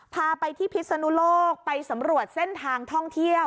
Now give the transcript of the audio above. พาไปที่พิศนุโลกไปสำรวจเส้นทางท่องเที่ยว